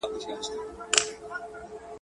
وړانګي د سبا به د سوالونو ګرېوان څیري کي.